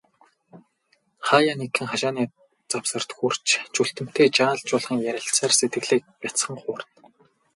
Хааяа нэгхэн, хашааны завсарт хүрч, Чүлтэмтэй жаал жуулхан ярилцсанаар сэтгэлийг бяцхан хуурна.